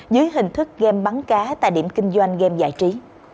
dưới hình thức game bắn cá tại điểm kinh doanh game giải trí